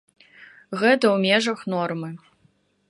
Гэта ў межах нормы.